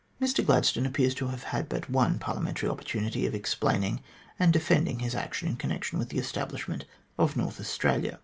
Mr Gladstone appears to have had but one Parliamentary opportunity of explaining and defending his action in con nection with the establishment of North Australia.